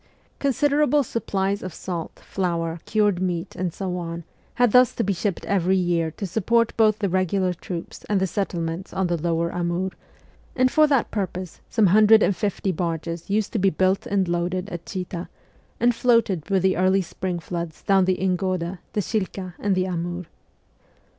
Considerable supplies of salt, flour, cured meat, and so on had thus to be shipped every year to support both the regular troops and the settlements on the lower Amur, and for that purpose some hundred and fifty barges used to be built and loaded at Chita, and floated with the early spring floods down the Ingoda, the Shilka, and the Amur. The.